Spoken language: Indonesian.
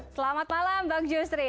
selamat malam bang justri